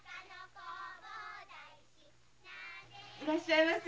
いらっしゃいませ。